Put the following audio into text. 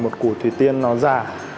một củ thủy tiên nó già